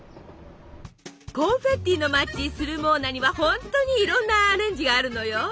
コンフェッティの町スルモーナには本当にいろんなアレンジがあるのよ。